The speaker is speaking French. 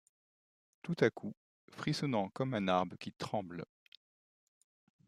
Tout à coup, frissonnant comme un arbre qui tremble